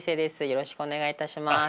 よろしくお願いします。